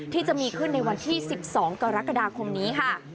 ที่จะมีขึ้นในวันที่๑๒กรกฎาคมนี้ค่ะ